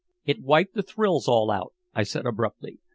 "It wiped the thrills all out," I said abruptly.